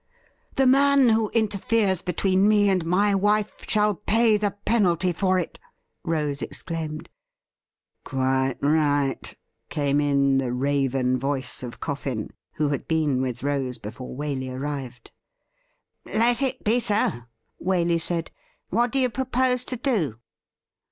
' The man who interferes between me and my wife shall pay the penalty for it !' Rose exclaimed. ' Quite right,' came in the raven voice of Coffin, who had been with Rose before Waley arrived. 'Let it be so,' Waley said. 'What do you propose to do.?'